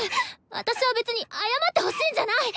私は別に謝ってほしいんじゃない！